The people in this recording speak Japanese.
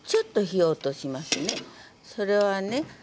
それはね